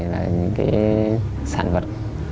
là những cái sản vật